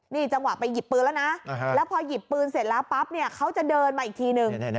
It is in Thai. นี่จังหวะไปหยิบปืนแล้วนะแล้วพอหยิบปืนเสร็จแล้วปั๊บเขาจะเดินมาอีกทีนึง